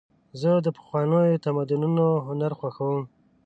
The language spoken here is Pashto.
زه د پخوانیو تمدنونو هنر خوښوم.